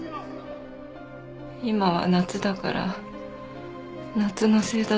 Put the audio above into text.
今は夏だから夏の星座だ。